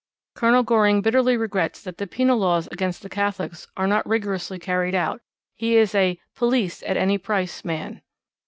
Colonel Goring bitterly regrets that the Penal Laws against the Catholics are not rigorously carried out. He is a 'Police at any price' man.